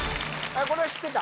これは知ってた？